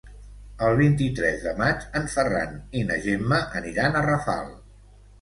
El vint-i-tres de maig en Ferran i na Gemma aniran a Rafal.